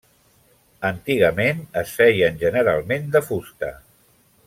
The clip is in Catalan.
Antigament es feien generalment de fusta.